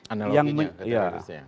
analoginya teroris ya